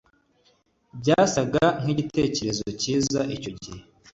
Byasaga nkigitekerezo cyiza icyo gihe.